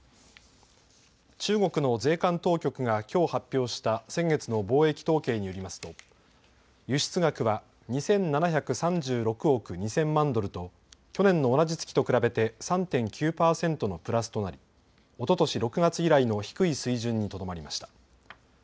中国の税関当局がきょう発表した先月の貿易統計によりますと輸出額は２７３６億２０００万ドルと去年の同じ月と比べて３．９％のプラスとなりおととし６月以来の低い水準にとどまりました。